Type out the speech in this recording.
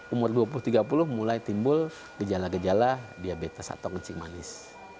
umur dua puluh tiga puluh mulai timbul gejala gejala diabetes atau kencing manis